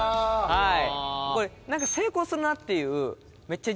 はい。